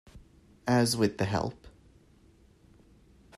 As with the Help!